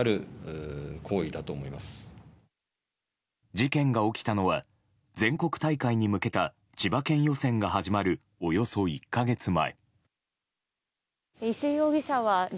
事件が起きたのは全国大会に向けた千葉県予選が始まるおよそ１か月前。